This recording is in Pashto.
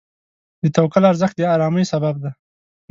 د توکل ارزښت د آرامۍ سبب دی.